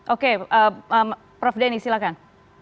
oke prof deni silakan